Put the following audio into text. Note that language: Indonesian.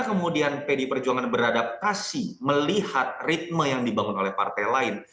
kemudian pdi perjuangan beradaptasi melihat ritme yang dibangun oleh partai lain